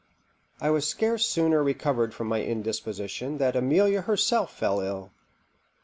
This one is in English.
_ I was scarce sooner recovered from my indisposition than Amelia herself fell ill.